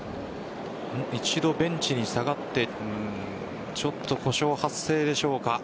一度ベンチに下がってちょっと故障発生でしょうか。